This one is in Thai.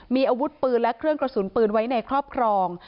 มีอาวุธปืนและเครื่องกระสุนปืนไว้ในครอบครอง